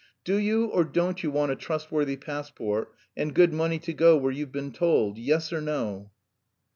"Do you or don't you want a trustworthy passport and good money to go where you've been told? Yes or no?"